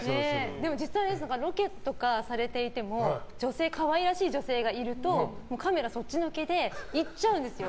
でも実際ロケとかされていても可愛らしい女性がいるとカメラそっちのけで行っちゃうんですよ。